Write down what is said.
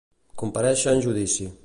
Comparèixer en judici.